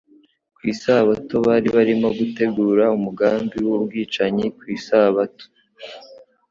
ku isabato bari barimo gutegura umugambi w'ubwicanyi ku isabato.